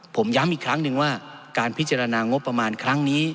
ผมย้ำอีกครั้งหนึ่งว่าการพิจารณางบประมาณครั้งนี้